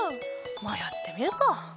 まぁやってみるか。